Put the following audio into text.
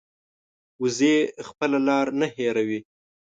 وزې خپله لار نه هېروي